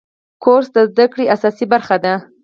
کورس د زده کړې اساسي برخه ده.